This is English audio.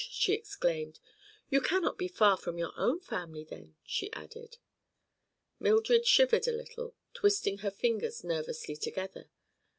she exclaimed. "You cannot be far from your own family, then," she added. Mildred shivered a little, twisting her fingers nervously together.